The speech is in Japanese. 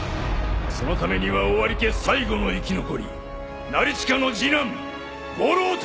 そのためにはオワリ家最後の生き残り成親の次男五郎太！